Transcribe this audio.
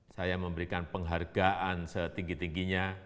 saya memberikan penghargaan setinggi tingginya